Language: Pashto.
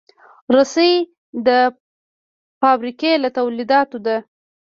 رسۍ د فابریکې له تولیداتو ده.